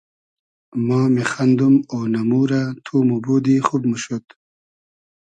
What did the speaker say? ما میخئندوم اۉنئمو رۂ تو موبودی خوب موشود